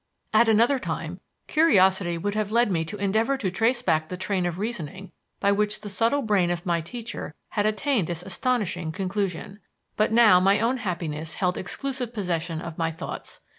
At another time, curiosity would have led me to endeavor to trace back the train of reasoning by which the subtle brain of my teacher had attained this astonishing conclusion. But now my own happiness held exclusive possession of my thoughts.